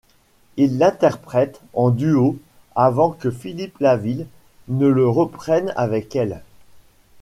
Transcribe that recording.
Ils l'interprètent en duo avant que Philippe Lavil ne le reprenne avec elle.